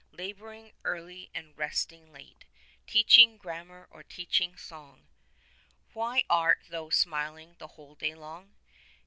Labouring early and resting late. Teaching grammar or teaching song — Why art thou smiling the whole day long?